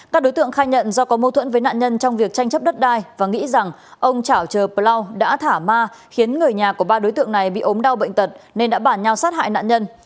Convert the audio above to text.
các đối tượng khai nhận do có mâu thuẫn với nạn nhân trong việc tranh chấp đất đai và nghĩ rằng ông trảo chờ plau đã thả ma khiến người nhà của ba đối tượng này bị ốm đau bệnh tật nên đã bản nhau sát hại nạn nhân